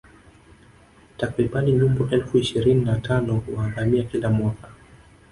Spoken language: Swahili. Takribani nyumbu elfu ishirini na tano huangamia kila mwaka